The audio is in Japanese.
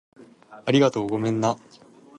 ありがとう。ごめんな